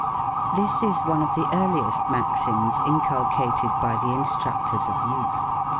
This is one of the earliest maxims inculcated by the instructors of youth.